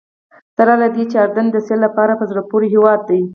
سره له دې چې اردن د سیل لپاره په زړه پورې هېواد دی.